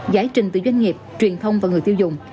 giải trình từ doanh nghiệp truyền thông và người tiêu dùng